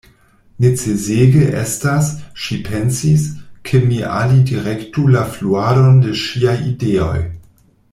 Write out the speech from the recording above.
Necesege estas, ŝi pensis, ke mi alidirektu la fluadon de ŝiaj ideoj.